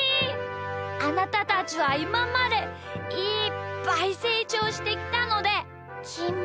あなたたちはいままでいっぱいせいちょうしてきたのできん